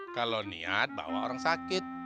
kalau niat bawa orang sakit